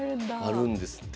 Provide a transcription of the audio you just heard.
あるんですって。